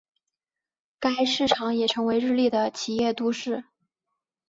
该市场也成为日立的的企业都市。